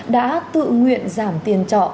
đã tự nguyện giảm tiền trọ